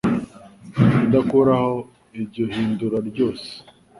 kudakuraho iryo hindura ryose